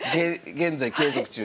現在継続中。